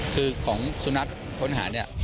คือของสุนัขค้นหาเนี่ย